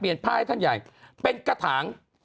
เปลี่ยนไปให้ท่านใหญ่เป็นกระถาง